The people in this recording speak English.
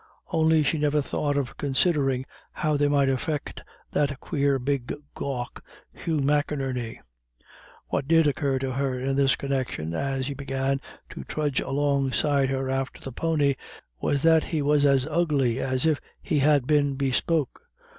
Only she never thought of considering how they might affect that quare big gawk Hugh McInerney. What did occur to her in his connection as he begun to trudge alongside her after the pony, was that "he was as ugly as if he had been bespoke."